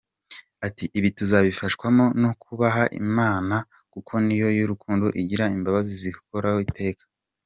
Ati “Ibi tuzabifashwamo no kubaha Imana kuko ni yo rukundo igira imbabazi zihoraho iteka.